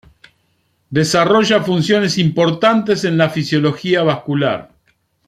Desarrolla funciones importantes en la fisiología vascular.